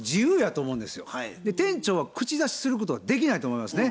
店長は口出しすることができないと思いますね。